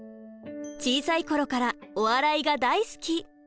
小さい頃からお笑いが大好き。